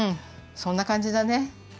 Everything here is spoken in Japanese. そんなかんじだね。